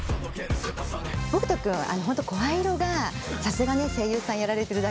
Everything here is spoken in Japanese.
北斗君本当声色がさすが声優さんやられてるだけ。